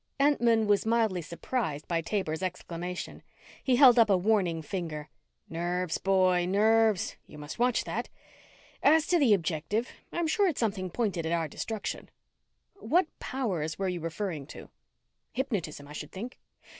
Entman was mildly surprised by Taber's exclamation. He held up a warning finger. "Nerves, boy, nerves. You must watch that. As to the objective I'm sure it's something pointed at our destruction." "What powers were you referring to?" "Hypnotism, I should think.